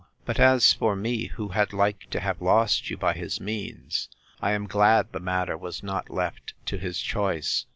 But, as for me, who had like to have lost you by his means, I am glad the matter was not left to his choice.